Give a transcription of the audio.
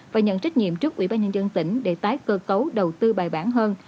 và nhận trách nhiệm trước ủy ban nhân dân tỉnh để tái cơ cấu đầu tư bài bản hơn